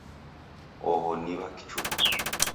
Oho Ni W'akichuku.